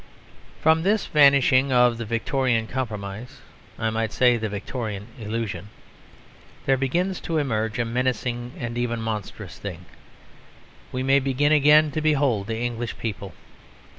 From this vanishing of the Victorian compromise (I might say the Victorian illusion) there begins to emerge a menacing and even monstrous thing we may begin again to behold the English people.